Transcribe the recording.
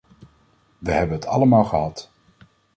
We hebben het allemaal gehad.